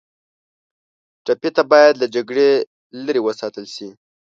ټپي ته باید له جګړې لرې وساتل شي.